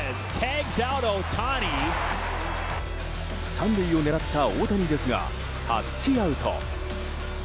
３塁を狙った大谷ですがタッチアウト。